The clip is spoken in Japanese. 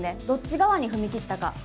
どっち側に踏み切ったか。